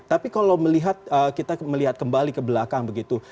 tapi kalau melihat kita melihat kembali ke belakang begitu